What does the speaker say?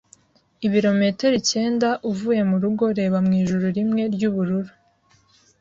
Ibirometero icyenda uvuye murugo reba 'mwijuru rimwe ry'ubururu,